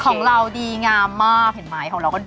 ของเราดีงามมากเห็นไหมของเราก็ดี